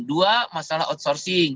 dua masalah outsourcing